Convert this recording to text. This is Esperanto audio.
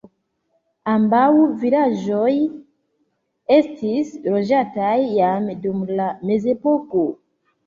Ambaŭ vilaĝoj estis loĝataj jam dum la mezepoko.